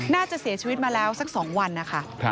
น่าจะเสียชีวิตมาแล้วสัก๒วันนะคะ